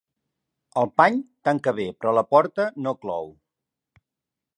El pany tanca bé, però la porta no clou.